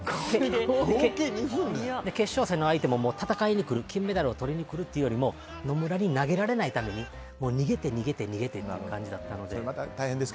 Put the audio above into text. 決勝戦の相手も戦いに来る、金メダルを取りに来るというよりも野村に投げられないために逃げて逃げてっていう感じだったので。